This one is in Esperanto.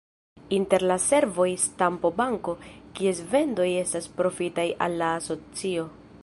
Inter la servoj, stampo-banko, kies vendoj estas profitaj al la asocio.